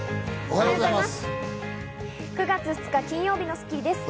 おはようございます。